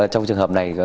trong trường hợp này